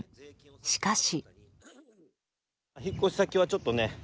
しかし。